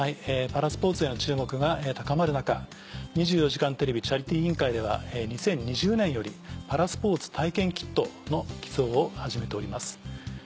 パラスポーツへの注目が高まる中「２４時間テレビチャリティー委員会」では２０２０年よりパラスポーツ体験キットの寄贈を始めております。